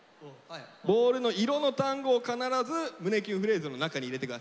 ボールの色の単語を必ず胸キュンフレーズの中に入れて下さい。